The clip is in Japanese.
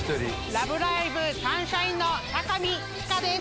『ラブライブ！サンシャイン‼』の高海千歌です！